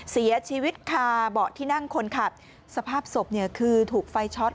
เสียชีวิตคาเบาะที่นั่งคนขับสภาพศพเนี่ยคือถูกไฟช็อต